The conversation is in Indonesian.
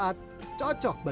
kedai bolan jonon